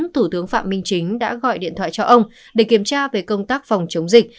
thủ tướng phạm minh chính đã gọi điện thoại cho ông để kiểm tra về công tác phòng chống dịch